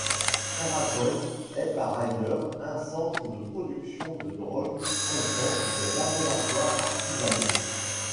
Karakol est par ailleurs un centre de production de drogues, comptant des laboratoires artisanaux.